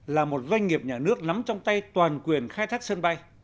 là một doanh nghiệp nhà nước nắm trong tay toàn quyền khai thác sân bay